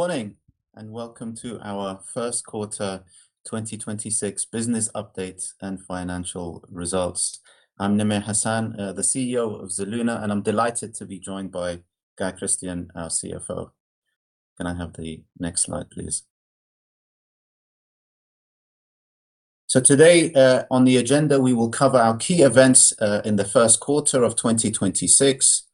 Morning, welcome to our first quarter 2026 business update and financial results. I'm Namir Hassan, the CEO of Zelluna, and I'm delighted to be joined by Geir Christian, our CFO. Can I have the next slide, please? Today, on the agenda, we will cover our key events in the first quarter of 2026,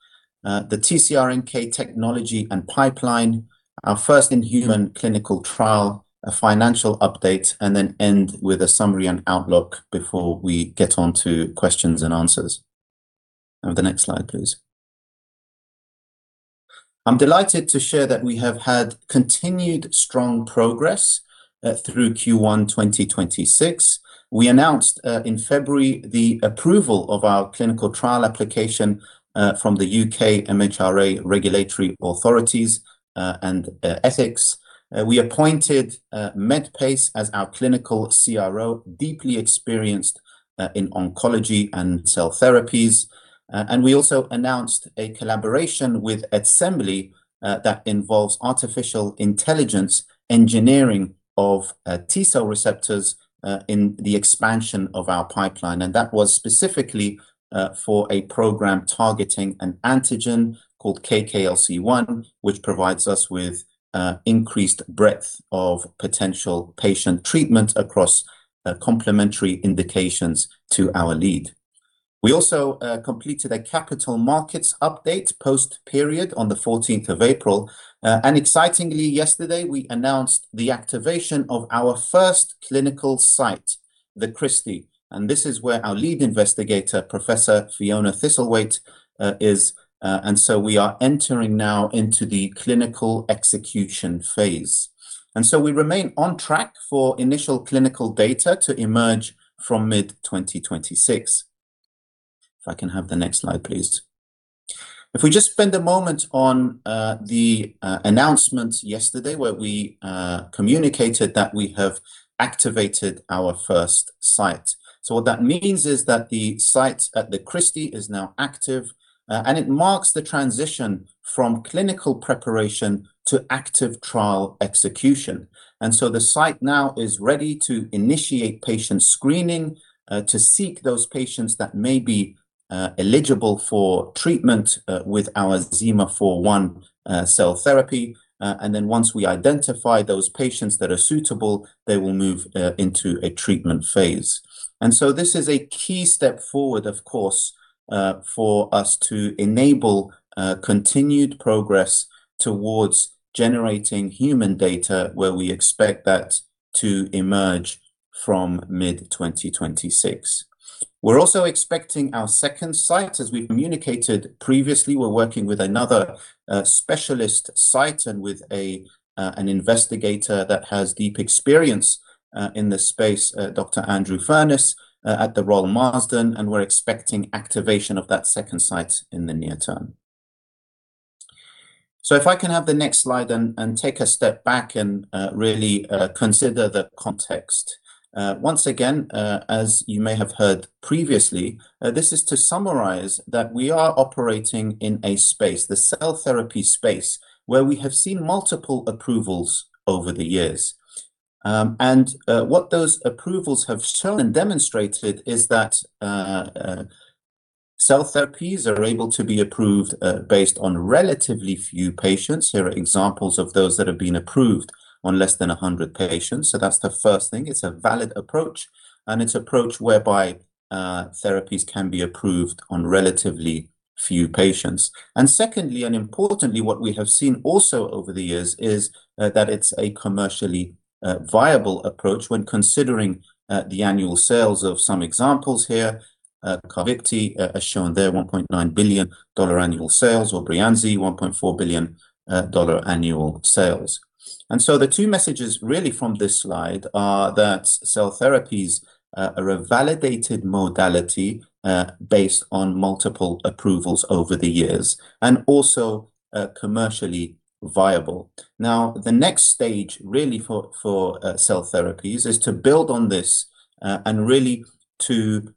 the TCR-NK technology and pipeline, our first in-human clinical trial, a financial update, and then end with a summary and outlook before we get onto questions and answers. The next slide, please. I'm delighted to share that we have had continued strong progress through Q1, 2026. We announced in February the approval of our clinical trial application from the U.K. MHRA regulatory authorities, and ethics. We appointed Medpace as our clinical CRO, deeply experienced in oncology and cell therapies. We also announced a collaboration with Etcembly that involves artificial intelligence engineering of T-cell receptors in the expansion of our pipeline. That was specifically for a program targeting an antigen called KK-LC-1, which provides us with increased breadth of potential patient treatment across complementary indications to our lead. We also completed a capital markets update post period on April 14th. Excitingly, yesterday, we announced the activation of our first clinical site, The Christie. This is where our lead investigator, Professor Fiona Thistlethwaite, is. We are entering now into the clinical execution phase. We remain on track for initial clinical data to emerge from mid-2026. If I can have the next slide, please. If we just spend a moment on the announcement yesterday where we communicated that we have activated our first site. What that means is that the site at The Christie is now active, and it marks the transition from clinical preparation to active trial execution. The site now is ready to initiate patient screening, to seek those patients that may be eligible for treatment with our ZI-MA4-1 cell therapy. Once we identify those patients that are suitable, they will move into a treatment phase. This is a key step forward, of course, for us to enable continued progress towards generating human data where we expect that to emerge from mid-2026. We're also expecting our second site. As we communicated previously, we're working with another specialist site and with an investigator that has deep experience in this space, Dr. Andrew Furness, at The Royal Marsden, and we're expecting activation of that second site in the near term. If I can have the next slide and take a step back and really consider the context. Once again, as you may have heard previously, this is to summarize that we are operating in a space, the cell therapy space, where we have seen multiple approvals over the years. What those approvals have shown and demonstrated is that cell therapies are able to be approved based on relatively few patients. Here are examples of those that have been approved on less than 100 patients. That's the first thing. It's a valid approach, and it's approach whereby therapies can be approved on relatively few patients. Secondly and importantly, what we have seen also over the years is that it's a commercially viable approach when considering the annual sales of some examples here. CARVYKTI, as shown there, $1.9 billion annual sales, or BREYANZI, $1.4 billion annual sales. So the two messages really from this slide are that cell therapies are a validated modality based on multiple approvals over the years and also commercially viable. Now, the next stage really for cell therapies is to build on this and really to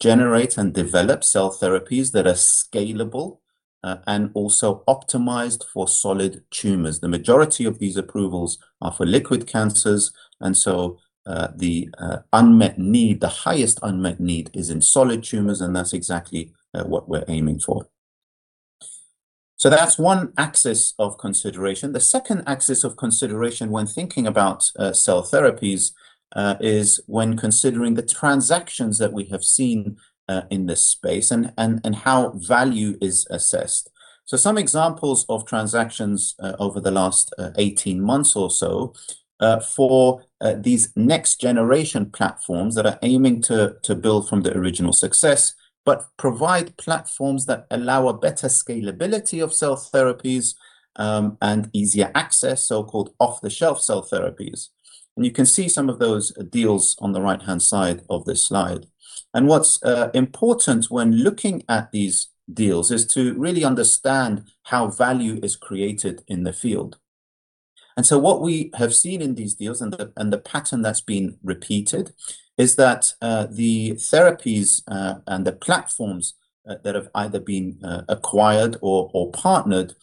generate and develop cell therapies that are scalable and also optimized for solid tumors. The majority of these approvals are for liquid cancers, the unmet need, the highest unmet need is in solid tumors, and that's exactly what we're aiming for. That's one axis of consideration. The second axis of consideration when thinking about cell therapies is when considering the transactions that we have seen in this space and how value is assessed. Some examples of transactions over the last 18 months or so for these next generation platforms that are aiming to build from the original success, but provide platforms that allow a better scalability of cell therapies and easier access, so-called off-the-shelf cell therapies. You can see some of those deals on the right-hand side of this slide. What's important when looking at these deals is to really understand how value is created in the field. What we have seen in these deals and the pattern that's been repeated is that the therapies and the platforms that have either been acquired or partnered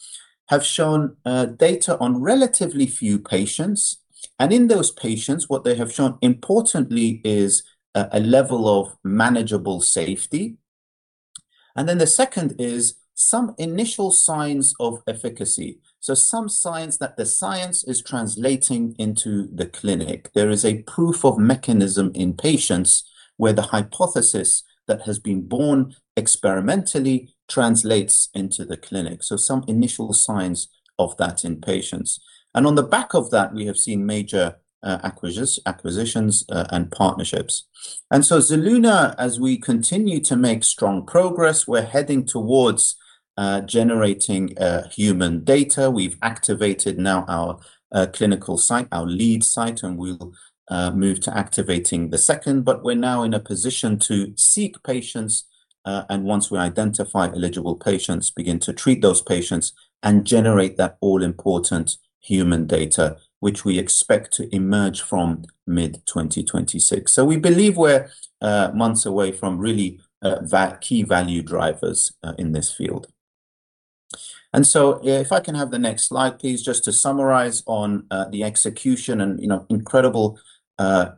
have shown data on relatively few patients. In those patients, what they have shown importantly is a level of manageable safety. The second is some initial signs of efficacy. Some signs that the science is translating into the clinic. There is a proof of mechanism in patients where the hypothesis that has been born experimentally translates into the clinic. Some initial signs of that in patients. On the back of that, we have seen major acquisitions and partnerships. Zelluna, as we continue to make strong progress, we're heading towards generating human data. We've activated now our clinical site, our lead site, and we'll move to activating the second. We're now in a position to seek patients, and once we identify eligible patients, begin to treat those patients and generate that all-important human data, which we expect to emerge from mid-2026. We believe we're months away from really key value drivers in this field. Yeah, if I can have the next slide, please, just to summarize on the execution and, you know, incredible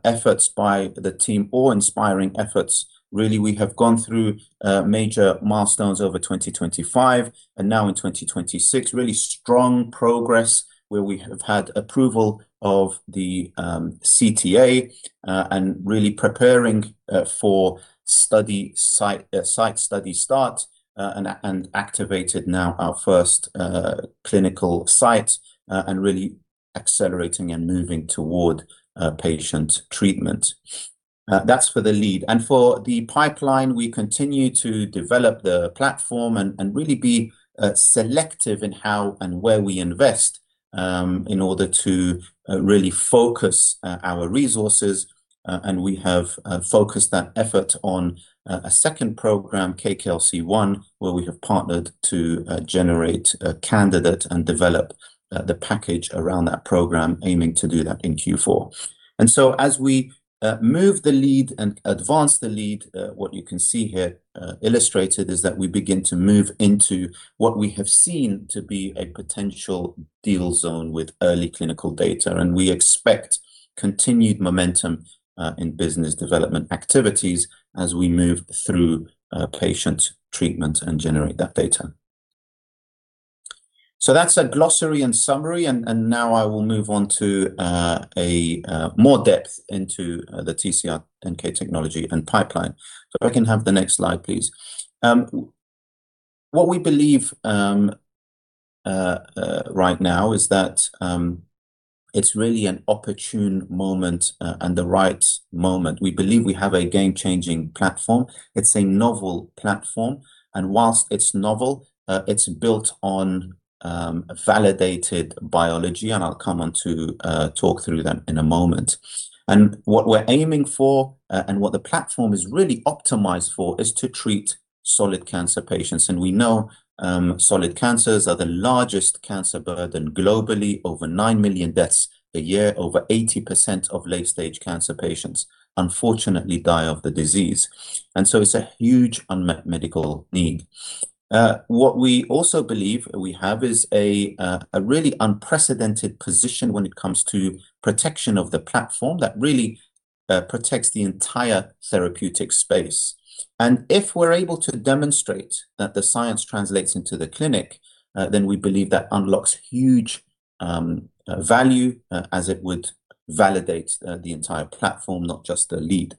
efforts by the team, awe-inspiring efforts. Really, we have gone through major milestones over 2025, and now in 2026, really strong progress where we have had approval of the CTA, and really preparing for site study start, and activated now our first clinical site, and really accelerating and moving toward patient treatment. That's for the lead. For the pipeline, we continue to develop the platform and really be selective in how and where we invest in order to really focus our resources. We have focused that effort on a second program, KK-LC-1, where we have partnered to generate a candidate and develop the package around that program, aiming to do that in Q4. As we move the lead and advance the lead, what you can see here illustrated is that we begin to move into what we have seen to be a potential deal zone with early clinical data. We expect continued momentum in business development activities as we move through patient treatment and generate that data. That's a glossary and summary, and now I will move on to a more depth into the TCR-NK technology and pipeline. If I can have the next slide, please. What we believe right now is that it's really an opportune moment and the right moment. We believe we have a game-changing platform. It's a novel platform. Whilst it's novel, it's built on validated biology, and I'll come on to talk through that in a moment. What we're aiming for, and what the platform is really optimized for is to treat solid cancer patients. We know solid cancers are the largest cancer burden globally, over 9 million deaths a year. Over 80% of late-stage cancer patients unfortunately die of the disease. It's a huge unmet medical need. What we also believe we have is a really unprecedented position when it comes to protection of the platform that really protects the entire therapeutic space. If we're able to demonstrate that the science translates into the clinic, then we believe that unlocks huge value, as it would validate the entire platform, not just the lead.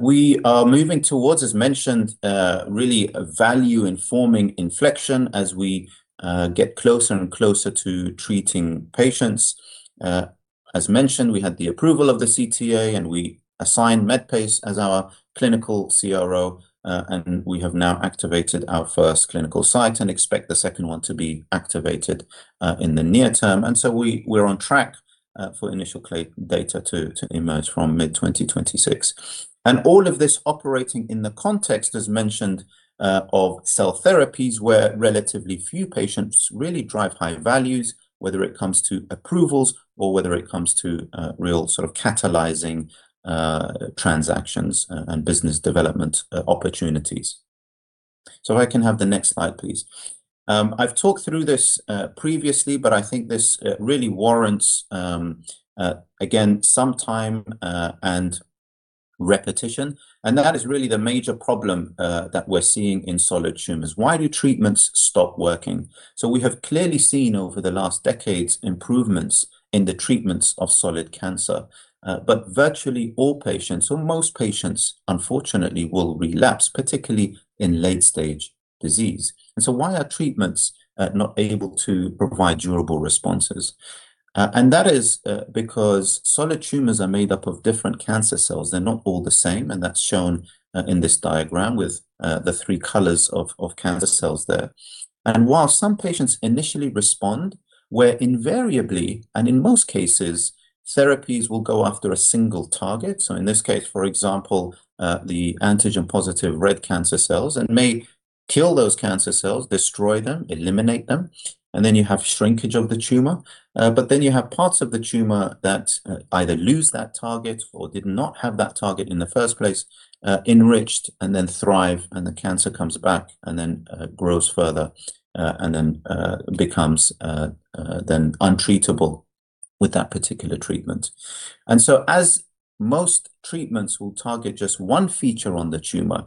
We are moving towards, as mentioned, really a value-informing inflection as we get closer and closer to treating patients. As mentioned, we had the approval of the CTA, we assigned Medpace as our clinical CRO, and we have now activated our first clinical site and expect the second one to be activated in the near term. We're on track for initial data to emerge from mid-2026. All of this operating in the context, as mentioned, of cell therapies, where relatively few patients really drive high values, whether it comes to approvals or whether it comes to real sort of catalyzing transactions and business development opportunities. If I can have the next slide, please. I've talked through this previously, but I think this really warrants again, some time and repetition. That is really the major problem that we're seeing in solid tumors. Why do treatments stop working? We have clearly seen over the last decades improvements in the treatments of solid cancer. Virtually all patients, or most patients unfortunately will relapse, particularly in late stage disease. Why are treatments not able to provide durable responses? That is because solid tumors are made up of different cancer cells. They're not all the same, and that's shown in this diagram with the three colors of cancer cells there. While some patients initially respond, where invariably, and in most cases, therapies will go after a single target. In this case, for example, the antigen-positive red cancer cells and may kill those cancer cells, destroy them, eliminate them, and then you have shrinkage of the tumor. You have parts of the tumor that either lose that target or did not have that target in the first place, enriched and then thrive, and the cancer comes back and then grows further and then becomes then untreatable with that particular treatment. As most treatments will target just one feature on the tumor,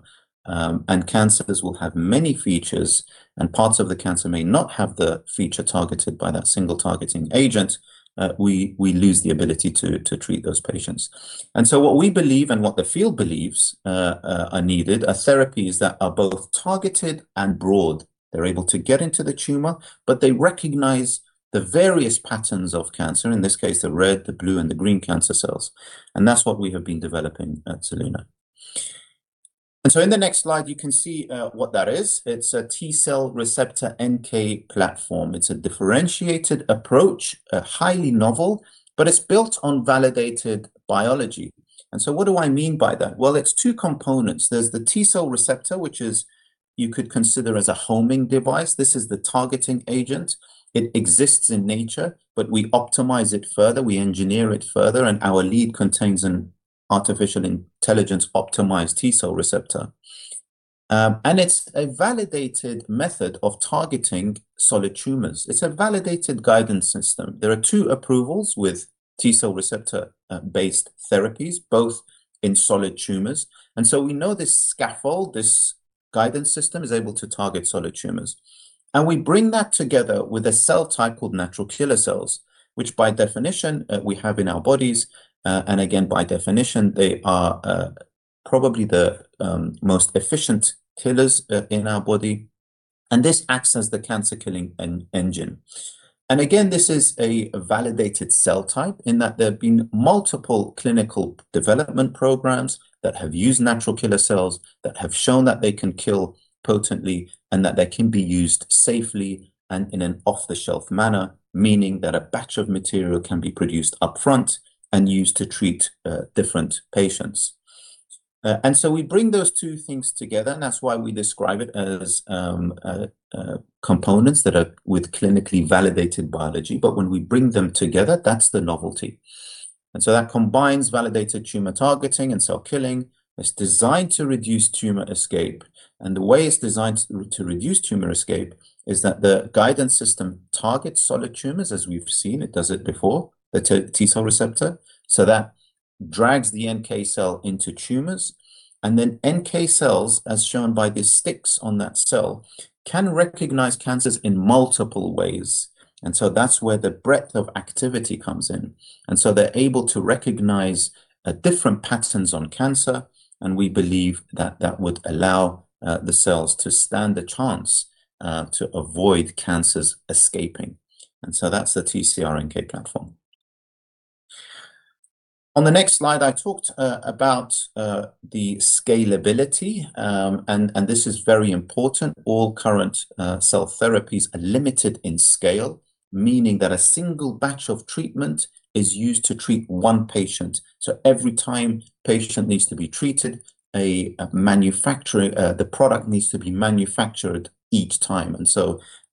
and cancers will have many features and parts of the cancer may not have the feature targeted by that single targeting agent, we lose the ability to treat those patients. What we believe and what the field believes are needed are therapies that are both targeted and broad. They're able to get into the tumor, but they recognize the various patterns of cancer, in this case, the red, the blue, and the green cancer cells, and that's what we have been developing at Zelluna. In the next slide, you can see what that is. It's a T cell receptor NK platform. It's a differentiated approach, highly novel, but it's built on validated biology. What do I mean by that? Well, it's two components. There's the T cell receptor, which is you could consider as a homing device. This is the targeting agent. It exists in nature, but we optimize it further, we engineer it further, and our lead contains an artificial intelligence optimized T cell receptor. It's a validated method of targeting solid tumors. It's a validated guidance system. There are two approvals with T-cell receptor based therapies, both in solid tumors. We know this scaffold, this guidance system is able to target solid tumors. We bring that together with a cell type called Natural Killer cells, which by definition, we have in our bodies, and again, by definition, they are probably the most efficient killers in our body, and this acts as the cancer killing engine. Again, this is a validated cell type in that there have been multiple clinical development programs that have used natural killer cells that have shown that they can kill potently and that they can be used safely and in an off-the-shelf manner, meaning that a batch of material can be produced upfront and used to treat different patients. We bring those two things together, and that's why we describe it as components that are with clinically validated biology. When we bring them together, that's the novelty. That combines validated tumor targeting and cell killing. It's designed to reduce tumor escape. The way it's designed to reduce tumor escape is that the guidance system targets solid tumors, as we've seen it does it before, the T-cell receptor, so that drags the NK cell into tumors. NK cells, as shown by these sticks on that cell, can recognize cancers in multiple ways. That's where the breadth of activity comes in. They're able to recognize different patterns on cancer, and we believe that that would allow the cells to stand a chance to avoid cancers escaping. That's the TCR NK platform. On the next slide, I talked about the scalability, and this is very important. All current cell therapies are limited in scale, meaning that a single batch of treatment is used to treat one patient. Every time patient needs to be treated, the product needs to be manufactured each time.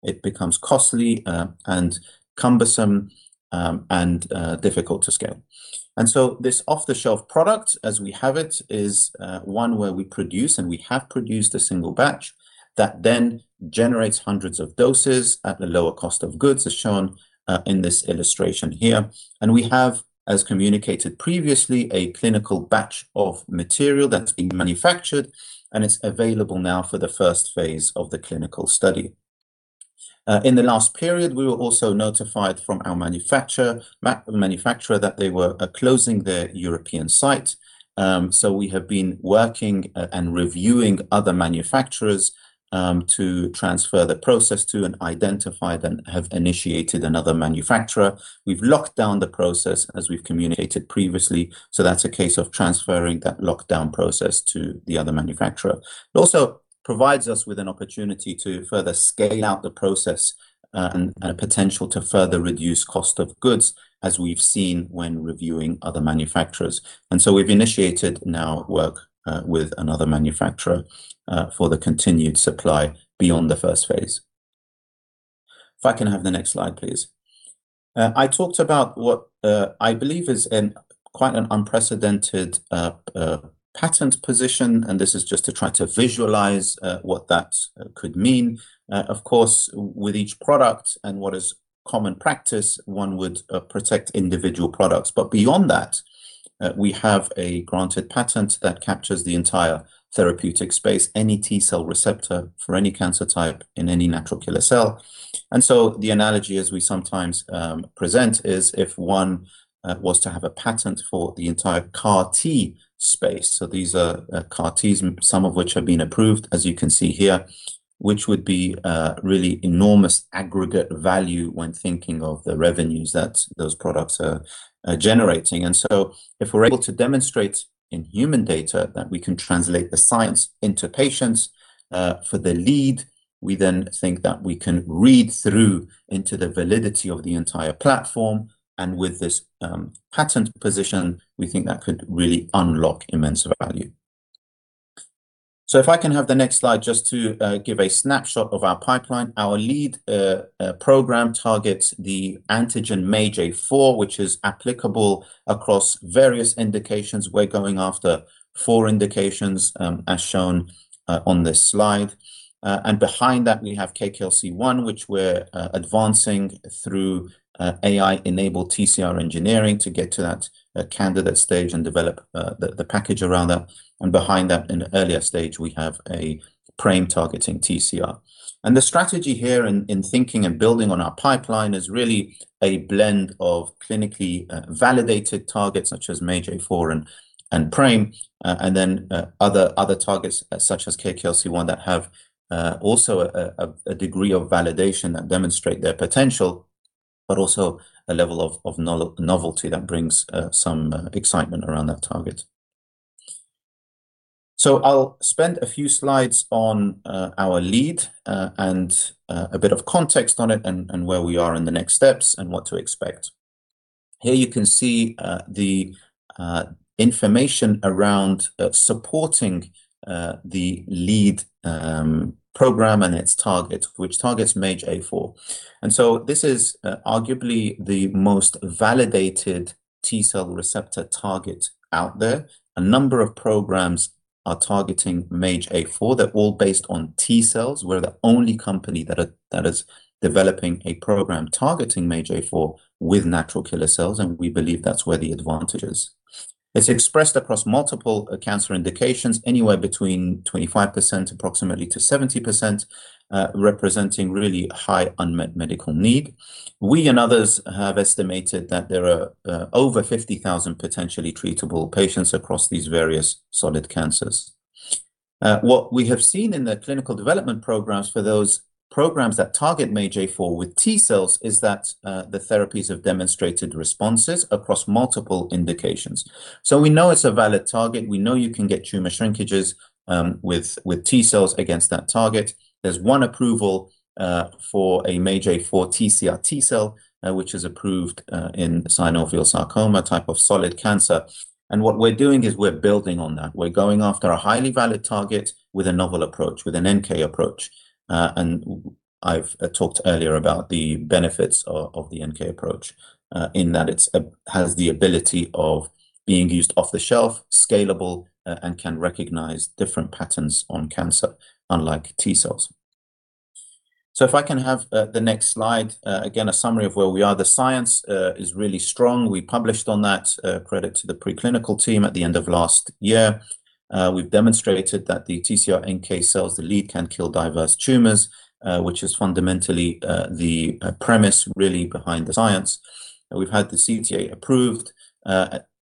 It becomes costly and cumbersome, and difficult to scale. This off-the-shelf product, as we have it, is one where we produce, and we have produced a single batch that then generates hundreds of doses at a lower cost of goods, as shown in this illustration here. We have, as communicated previously, a clinical batch of material that's been manufactured, and it's available now for the first phase of the clinical study. In the last period, we were also notified from our manufacturer that they were closing their European site. We have been working and reviewing other manufacturers to transfer the process to and identify then have initiated another manufacturer. We've locked down the process as we've communicated previously, so that's a case of transferring that lockdown process to the other manufacturer. It also provides us with an opportunity to further scale out the process and a potential to further reduce cost of goods as we've seen when reviewing other manufacturers. We've initiated now work with another manufacturer for the continued supply beyond the first phase. If I can have the next slide, please. I talked about what I believe is quite an unprecedented patent position, this is just to try to visualize what that could mean. Of course, with each product and what is common practice, one would protect individual products. Beyond that, we have a granted patent that captures the entire therapeutic space, any T-cell receptor for any cancer type in any natural killer cell. The analogy as we sometimes present is if one was to have a patent for the entire CAR T space. These are CAR Ts, some of which have been approved, as you can see here, which would be really enormous aggregate value when thinking of the revenues that those products are generating. If we're able to demonstrate in human data that we can translate the science into patients for the lead, we then think that we can read through into the validity of the entire platform, and with this patent position, we think that could really unlock immense value. If I can have the next slide just to give a snapshot of our pipeline. Our lead program targets the antigen MAGE-A4, which is applicable across various indications. We're going after four indications, as shown on this slide. Behind that we have KK-LC-1, which we're advancing through AI-enabled TCR engineering to get to that candidate stage and develop the package around that. Behind that in an earlier stage, we have a PRAME targeting TCR. The strategy here in thinking and building on our pipeline is really a blend of clinically validated targets such as MAGE-A4 and PRAME, and then other targets such as KK-LC-1 that have also a degree of validation that demonstrate their potential, but also a level of novelty that brings some excitement around that target. I'll spend a few slides on our lead and a bit of context on it and where we are in the next steps and what to expect. Here you can see the information around supporting the lead program and its target, which targets MAGE-A4. This is arguably the most validated T cell receptor target out there. A number of programs are targeting MAGE-A4. They're all based on T cells. We're the only company that is developing a program targeting MAGE-A4 with natural killer cells, and we believe that's where the advantage is. It's expressed across multiple cancer indications, anywhere between 25% approximately to 70%, representing really high unmet medical need. We and others have estimated that there are over 50,000 potentially treatable patients across these various solid cancers. What we have seen in the clinical development programs for those programs that target MAGE-A4 with T cells is that the therapies have demonstrated responses across multiple indications. We know it's a valid target. We know you can get tumor shrinkages with T cells against that target. There's one approval for a MAGE-A4 TCR T cell, which is approved in synovial sarcoma type of solid cancer. What we're doing is we're building on that. We're going after a highly valid target with a novel approach, with an NK approach. I've talked earlier about the benefits of the NK approach, in that it has the ability of being used off the shelf, scalable, and can recognize different patterns on cancer, unlike T cells. If I can have the next slide, again, a summary of where we are. The science is really strong. We published on that, credit to the preclinical team at the end of last year. We've demonstrated that the TCR-NK cells, the lead, can kill diverse tumors, which is fundamentally the premise really behind the science. We've had the CTA approved.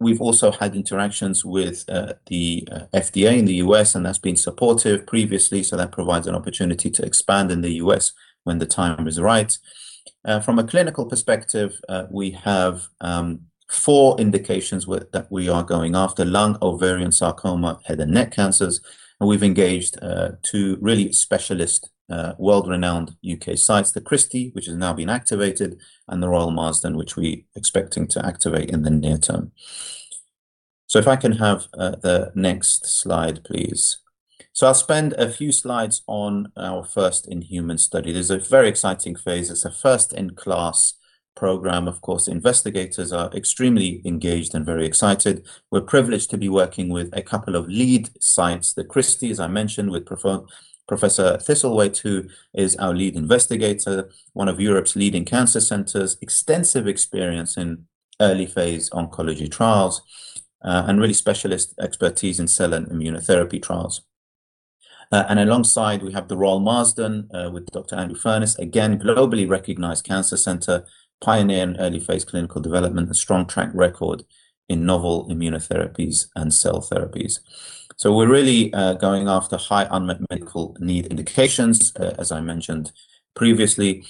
We've also had interactions with the FDA in the U.S., and that's been supportive previously, so that provides an opportunity to expand in the U.S. when the time is right. From a clinical perspective, we have four indications that we are going after: lung, ovarian, sarcoma, head and neck cancers. We've engaged two really specialist, world-renowned U.K. sites, the Christie, which has now been activated, and the Royal Marsden, which we expecting to activate in the near term. If I can have the next slide, please. I'll spend a few slides on our first-in-human study. This is a very exciting phase. It's a first-in-class program. Of course, investigators are extremely engaged and very excited. We're privileged to be working with a couple of lead sites, the Christie, as I mentioned, with Professor Thistlethwaite, who is our lead investigator, one of Europe's leading cancer centers, extensive experience in early-phase oncology trials, and really specialist expertise in cell and immunotherapy trials. Alongside we have the Royal Marsden with Dr. Andrew Furness, again, globally recognized cancer center, pioneer in early-phase clinical development, a strong track record in novel immunotherapies and cell therapies. We're really going after high unmet medical need indications, as I mentioned previously.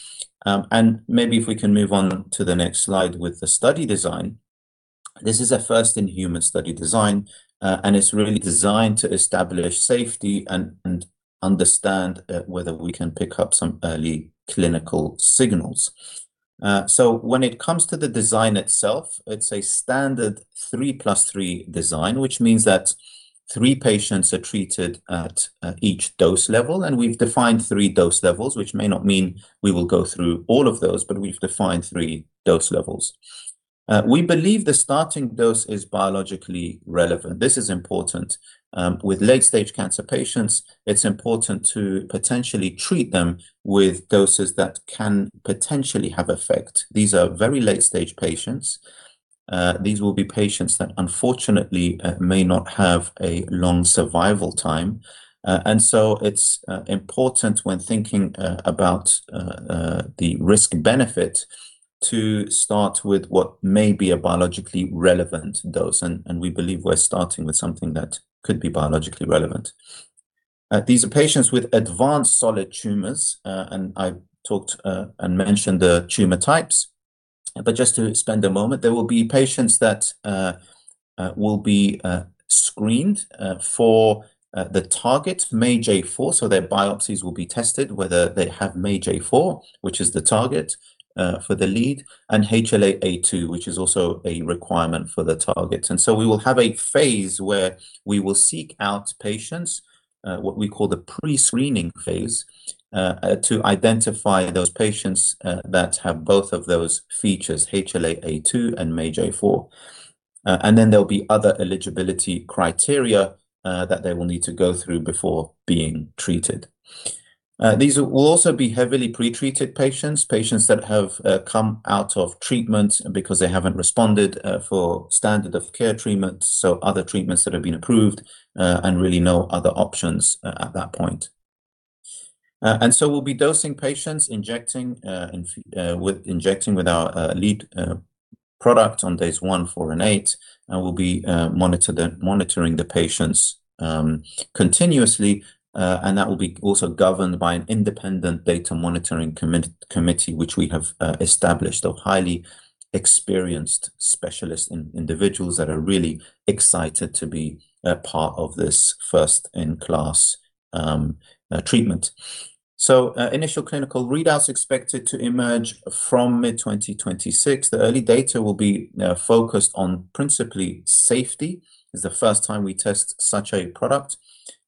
Maybe if we can move on to the next slide with the study design. This is a first-in-human study design, and it's really designed to establish safety and understand whether we can pick up some early clinical signals. When it comes to the design itself, it's a standard 3+3 design, which means that three patients are treated at each dose level, and we've defined three-dose levels, which may not mean we will go through all of those, but we've defined three-dose levels. We believe the starting dose is biologically relevant. This is important. With late-stage cancer patients, it's important to potentially treat them with doses that can potentially have effect. These are very late-stage patients. These will be patients that unfortunately may not have a long survival time. It's important when thinking about the risk benefit to start with what may be a biologically relevant dose. We believe we're starting with something that could be biologically relevant. These are patients with advanced solid tumors, and I talked and mentioned the tumor types. Just to spend a moment, there will be patients that will be screened for the target MAGE-A4, so their biopsies will be tested whether they have MAGE-A4, which is the target for the lead, and HLA-A2, which is also a requirement for the target. We will have a phase where we will seek out patients, what we call the pre-screening phase, to identify those patients that have both of those features, HLA-A2 and MAGE-A4. Then there'll be other eligibility criteria that they will need to go through before being treated. These will also be heavily pre-treated patients that have come out of treatment because they haven't responded for standard of care treatment, so other treatments that have been approved, and really no other options at that point. We'll be dosing patients, injecting with our lead product on days one, four, and eight, and we'll be monitoring the patients continuously. That will be also governed by an independent data monitoring committee, which we have established of highly experienced specialists and individuals that are really excited to be a part of this first-in-class treatment. Initial clinical readouts expected to emerge from mid 2026. The early data will be focused on principally safety. It's the first time we test such a product.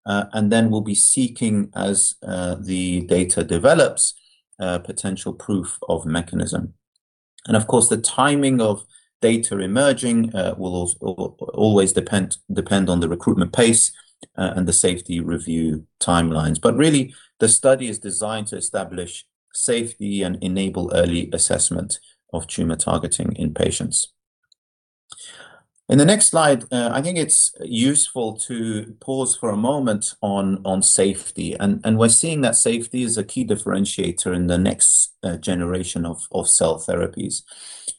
We'll be seeking as the data develops, potential proof of mechanism. Of course, the timing of data emerging will always depend on the recruitment pace and the safety review timelines. Really the study is designed to establish safety and enable early assessment of tumor targeting in patients. In the next slide, I think it's useful to pause for a moment on safety and we're seeing that safety is a key differentiator in the next generation of cell therapies.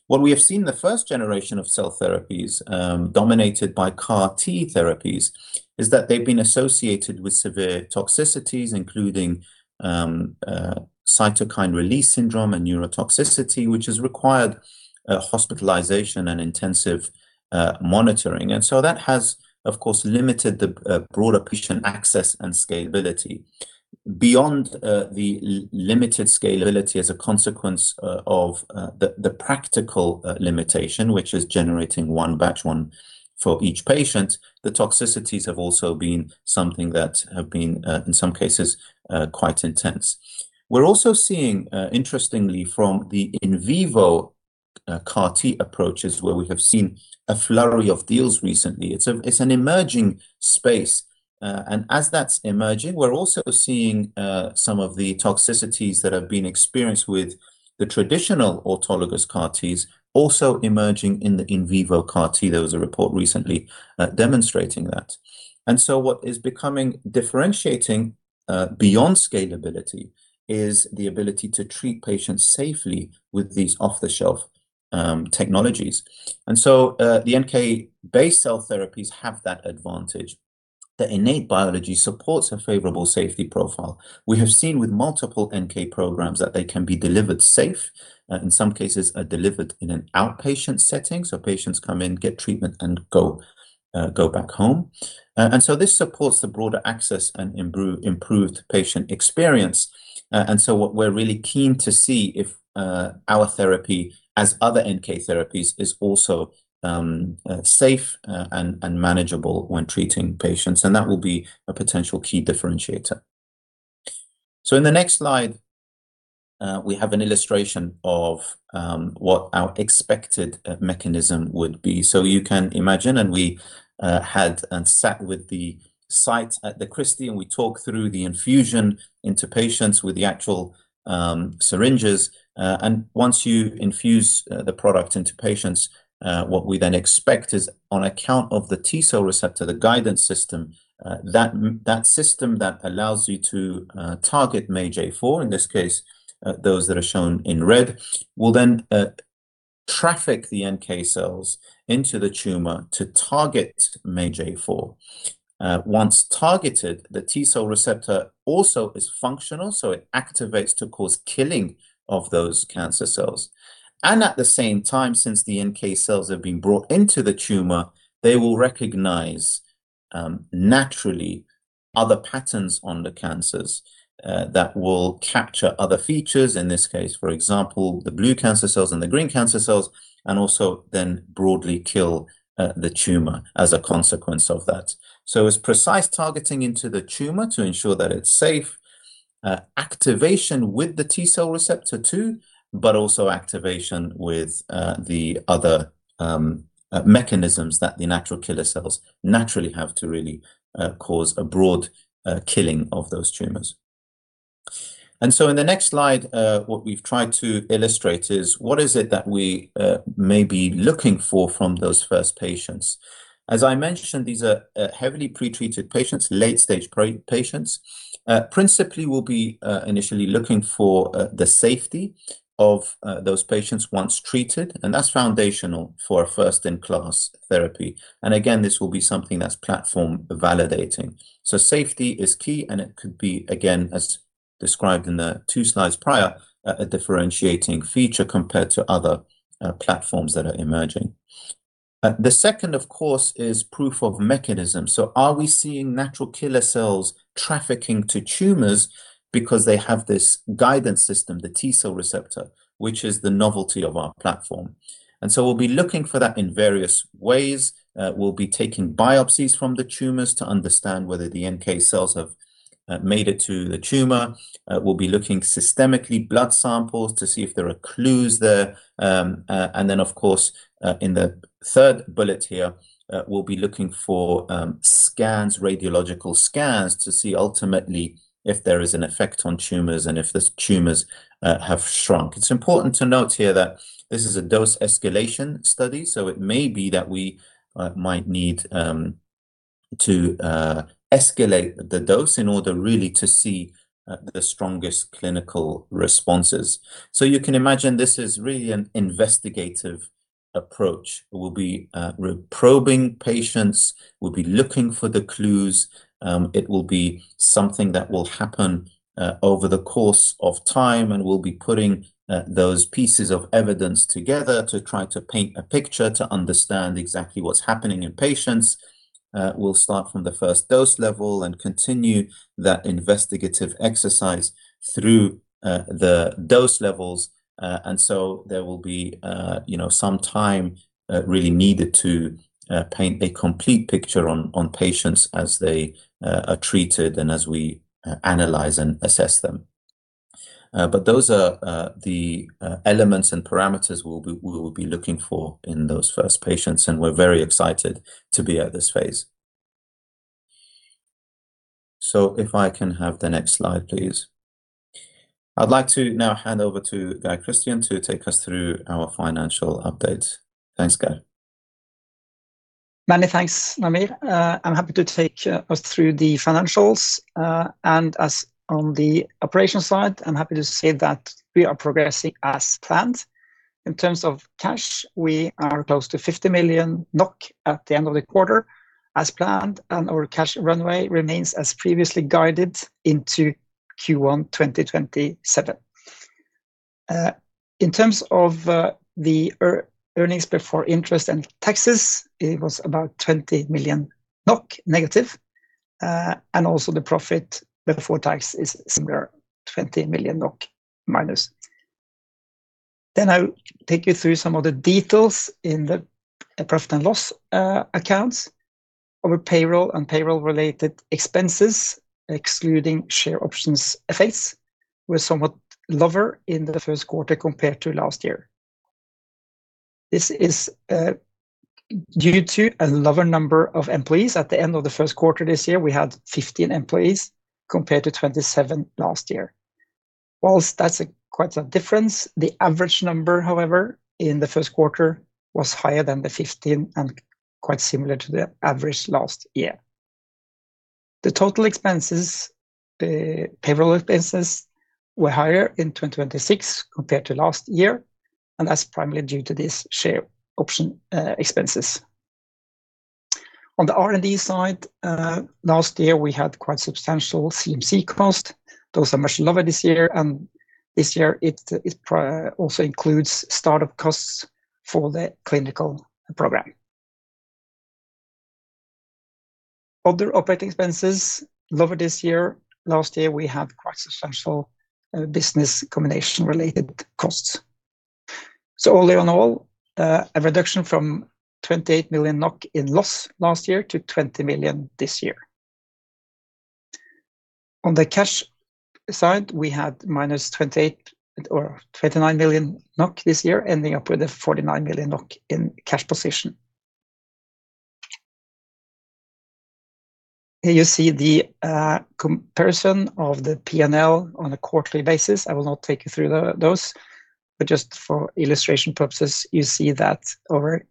What we have seen in the first generation of cell therapies, dominated by CAR-T therapies, is that they've been associated with severe toxicities including cytokine release syndrome and neurotoxicity, which has required hospitalization and intensive monitoring. That has, of course, limited the broader patient access and scalability. Beyond the limited scalability as a consequence of the practical limitation, which is generating one batch, one for each patient, the toxicities have also been something that have been in some cases quite intense. We're also seeing, interestingly from the in vivo CAR-T approaches, where we have seen a flurry of deals recently. It's an emerging space. As that's emerging, we're also seeing, some of the toxicities that have been experienced with the traditional autologous CAR-Ts also emerging in the in vivo CAR-T. There was a report recently, demonstrating that. What is becoming differentiating, beyond scalability is the ability to treat patients safely with these off-the-shelf technologies. The NK-based cell therapies have that advantage. The innate biology supports a favorable safety profile. We have seen with multiple NK programs that they can be delivered safe, in some cases are delivered in an outpatient setting, so patients come in, get treatment, and go back home. This supports the broader access and improved patient experience. What we're really keen to see if our therapy as other NK therapies is also safe and manageable when treating patients, and that will be a potential key differentiator. In the next slide, we have an illustration of what our expected mechanism would be. You can imagine, and we had and sat with the site at The Christie, and we talked through the infusion into patients with the actual syringes. Once you infuse, the product into patients, what we then expect is on account of the T cell receptor, the guidance system, that system that allows you to, target MAGE-A4, in this case, those that are shown in red, will then, traffic the NK cells into the tumor to target MAGE-A4. Once targeted, the T cell receptor also is functional, so it activates to cause killing of those cancer cells. At the same time, since the NK cells have been brought into the tumor, they will recognize, naturally other patterns on the cancers, that will capture other features, in this case, for example, the blue cancer cells and the green cancer cells, and also then broadly kill, the tumor as a consequence of that. It's precise targeting into the tumor to ensure that it's safe, activation with the T cell receptor too, but also activation with the other mechanisms that the natural killer cells naturally have to really cause a broad killing of those tumors. In the next slide, what we've tried to illustrate is what is it that we may be looking for from those first patients? As I mentioned, these are heavily pre-treated patients, late-stage patients. Principally we'll be initially looking for the safety of those patients once treated, and that's foundational for a first-in-class therapy. Again, this will be something that's platform validating. Safety is key, and it could be again as described in the two slides prior, a differentiating feature compared to other platforms that are emerging. The second of course is proof of mechanism. Are we seeing natural killer cells trafficking to tumors because they have this guidance system, the T-cell receptor, which is the novelty of our platform? We'll be looking for that in various ways. We'll be taking biopsies from the tumors to understand whether the NK cells have made it to the tumor. We'll be looking systemically blood samples to see if there are clues there. Of course, in the third bullet here, we'll be looking for scans, radiological scans to see ultimately if there is an effect on tumors and if the tumors have shrunk. It's important to note here that this is a dose escalation study, so it may be that we might need to escalate the dose in order really to see the strongest clinical responses. You can imagine this is really an investigative approach. We'll be re-probing patients. We'll be looking for the clues. It will be something that will happen over the course of time, and we'll be putting those pieces of evidence together to try to paint a picture to understand exactly what's happening in patients. We'll start from the first dose level and continue that investigative exercise through the dose levels. There will be, you know, some time really needed to paint a complete picture on patients as they are treated and as we analyze and assess them. Those are the elements and parameters we will be looking for in those first patients, and we're very excited to be at this phase. If I can have the next slide, please. I'd like to now hand over to Geir Christian to take us through our financial updates. Thanks, Geir. Many thanks, Namir. I'm happy to take us through the financials. As on the operations side, I'm happy to say that we are progressing as planned. In terms of cash, we are close to 50 million NOK at the end of the quarter as planned, and our cash runway remains as previously guided into Q1 2027. In terms of the earnings before interest and taxes, it was about 20 million NOK negative. Also the profit before tax is similar, 20 million minus. I will take you through some of the details in the profit and loss accounts. Our payroll and payroll-related expenses, excluding share options effects, were somewhat lower in the first quarter compared to last year. This is due to a lower number of employees. At the end of the first quarter this year, we had 15 employees compared to 27 last year. While that's a quite a difference, the average number, however, in the first quarter was higher than the 15 and quite similar to the average last year. The total expenses, payroll expenses were higher in 2026 compared to last year. That's primarily due to these share option expenses. On the R&D side, last year we had quite substantial CMC cost. Those are much lower this year. This year it also includes startup costs for the clinical program. Other operating expenses, lower this year. Last year we had quite substantial business combination related costs. All in all, a reduction from 28 million NOK in loss last year to 20 million this year. On the cash side, we had -28 or 29 million this year, ending up with a 49 million NOK in cash position. Here you see the comparison of the P&L on a quarterly basis. I will not take you through those, but just for illustration purposes, you see that our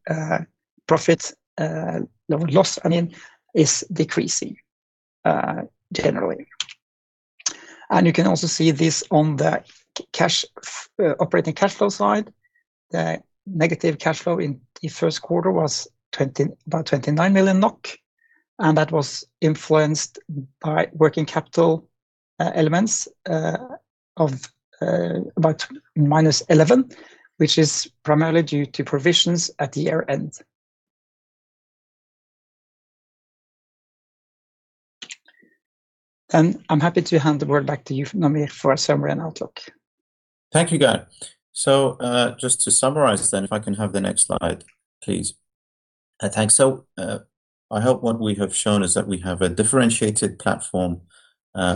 profit, no loss, I mean, is decreasing generally. You can also see this on the operating cash flow side. The negative cash flow in the first quarter was about 29 million NOK, that was influenced by working capital elements of about -11, which is primarily due to provisions at the year-end. I'm happy to hand the word back to you, Namir, for a summary and outlook. Thank you, Geir. Just to summarize then, if I can have the next slide, please. Thanks. I hope what we have shown is that we have a differentiated platform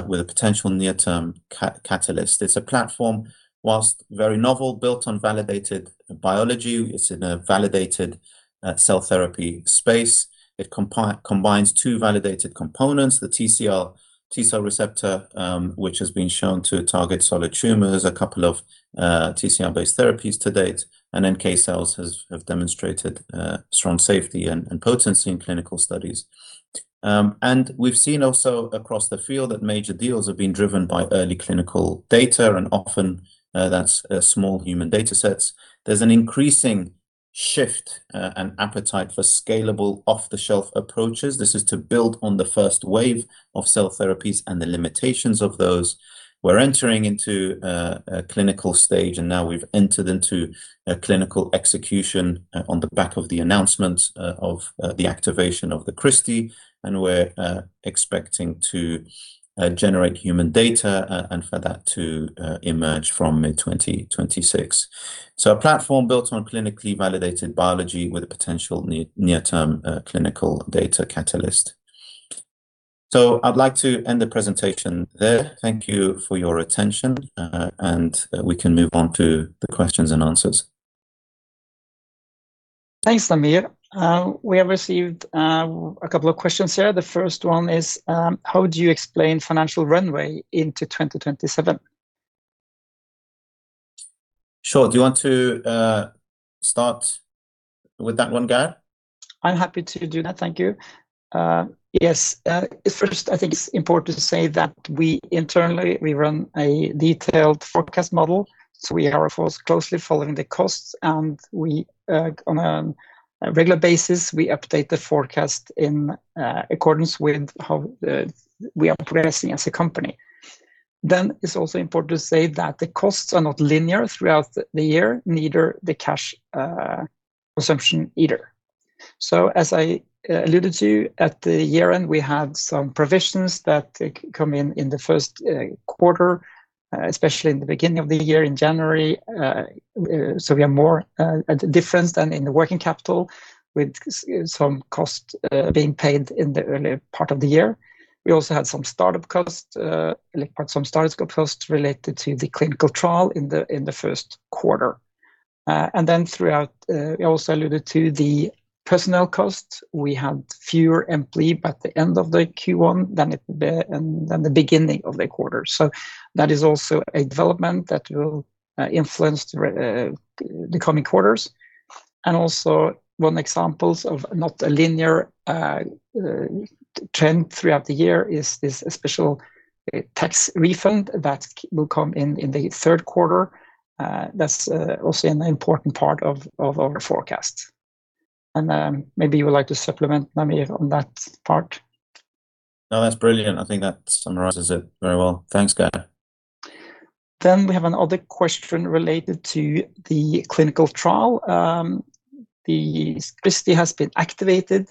with a potential near-term catalyst. It's a platform whilst very novel, built on validated biology. It's in a validated cell therapy space. It combines two validated components, the TCR, T-cell receptor, which has been shown to target solid tumors, a couple of TCR-based therapies to date, and NK cells have demonstrated strong safety and potency in clinical studies. We've seen also across the field that major deals have been driven by early clinical data, and often that's small human data sets. There's an increasing shift, an appetite for scalable off-the-shelf approaches. This is to build on the first wave of cell therapies and the limitations of those. We're entering into a clinical stage, now we've entered into a clinical execution on the back of the announcement of the activation of The Christie, and we're expecting to generate human data and for that to emerge from mid 2026. A platform built on clinically validated biology with a potential near-term clinical data catalyst. I'd like to end the presentation there. Thank you for your attention, and we can move on to the questions and answers. Thanks, Namir. We have received a couple of questions here. The first one is, "How do you explain financial runway into 2027? Sure. Do you want to start with that one, Geir? I'm happy to do that. Thank you. Yes. First, I think it's important to say that we internally, we run a detailed forecast model, so we are, of course, closely following the costs. And we, on a regular basis, we update the forecast in accordance with how we are progressing as a company. It's also important to say that the costs are not linear throughout the year, neither the cash consumption either. As I alluded to, at the year-end, we had some provisions that come in in the first quarter, especially in the beginning of the year in January. We are more at difference than in the working capital with some costs being paid in the early part of the year. We also had some startup costs, like some startup costs related to the clinical trial in the first quarter. Throughout, we also alluded to the personnel costs. We had fewer employees at the end of the Q1 than the beginning of the quarter. That is also a development that will influence the coming quarters. Also one example of not a linear trend throughout the year is this special tax refund that will come in the third quarter. That's also an important part of our forecast. Maybe you would like to supplement, Namir, on that part. No, that's brilliant. I think that summarizes it very well. Thanks, Geir Christian. We have another question related to the clinical trial. The Christie has been activated,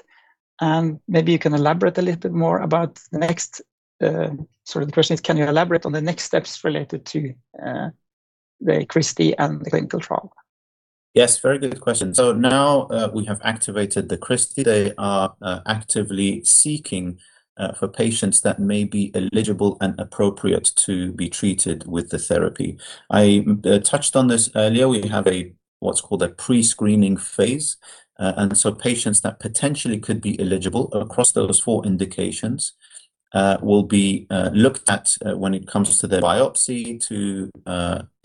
and maybe you can elaborate a little bit more about the next Sorry, the question is, "Can you elaborate on the next steps related to The Christie and the clinical trial? Yes, very good question. Now that we have activated the Christie, they are actively seeking for patients that may be eligible and appropriate to be treated with the therapy. I touched on this earlier. We have a what's called a pre-screening phase. Patients that potentially could be eligible across those four indications will be looked at when it comes to their biopsy to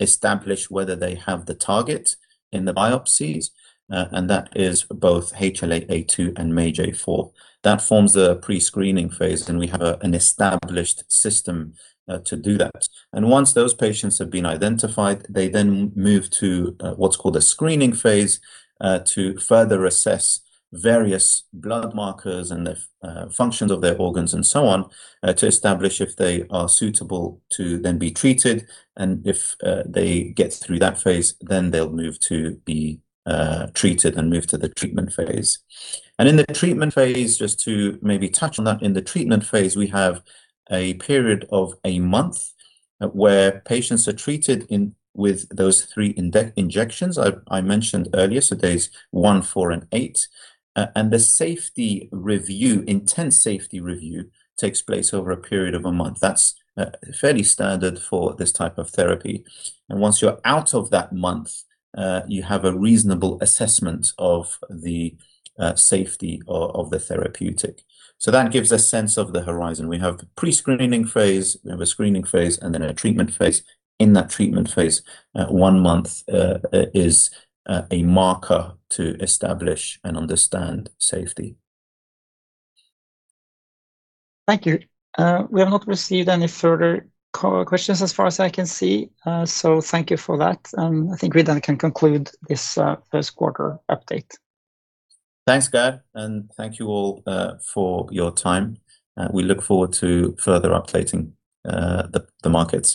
establish whether they have the target in the biopsies, and that is both HLA-A2 and MAGE-A4. That forms the pre-screening phase, and we have an established system to do that. Once those patients have been identified, they then move to what's called a screening phase to further assess various blood markers and the functions of their organs and so on, to establish if they are suitable to then be treated. If they get through that phase, then they'll move to be treated and move to the treatment phase. In the treatment phase, just to maybe touch on that, in the treatment phase, we have a period of a month where patients are treated with those three injections I mentioned earlier, so days one, four, and eight. The safety review, intense safety review takes place over a period of a month. That's fairly standard for this type of therapy. Once you're out of that month, you have a reasonable assessment of the safety of the therapeutic. That gives a sense of the horizon. We have pre-screening phase, we have a screening phase, and then a treatment phase. In that treatment phase, one month is a marker to establish and understand safety. Thank you. We have not received any further questions as far as I can see. Thank you for that. I think we then can conclude this first quarter update. Thanks, Geir Christian. Thank you all for your time. We look forward to further updating the market.